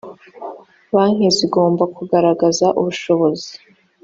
banki zigomba kugaragaza ubushobozi.